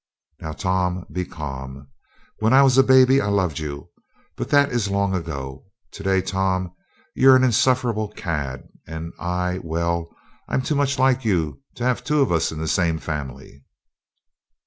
"Now, Tom, be calm. When I was a baby I loved you, but that is long ago. Today, Tom, you're an insufferable cad and I well, I'm too much like you to have two of us in the same family."